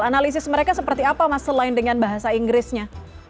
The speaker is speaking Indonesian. analisis mereka seperti apa mas selain dengan bahasa inggrisnya